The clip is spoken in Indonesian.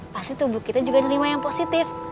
pasti tubuh kita juga nerima yang positif